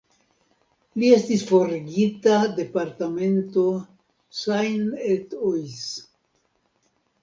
La estis forigita departemento Seine-et-Oise.